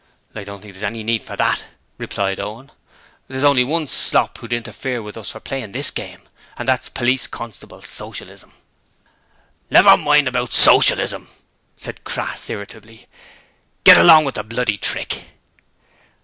'I don't think there's any need for that,' replied Owen, 'there's only one slop who'd interfere with us for playing this game, and that's Police Constable Socialism.' 'Never mind about Socialism,' said Crass, irritably. 'Get along with the bloody trick.'